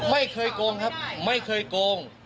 ไม่เคยโกงครับไม่เคยโกง